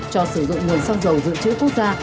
cho sử dụng nguồn xăng dầu dự trữ quốc gia